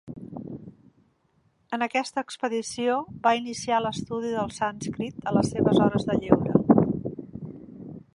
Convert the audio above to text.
En aquesta expedició, va iniciar l'estudi del sànscrit a les seves hores de lleure.